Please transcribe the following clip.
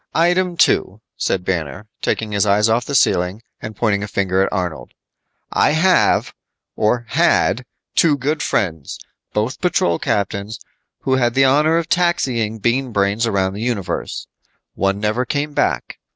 "Item two," said Banner, taking his eyes off the ceiling and pointing a finger at Arnold. "I have, or had, two good friends both patrol captains who had the honor of taxiing Bean Brains around the universe. One never came back.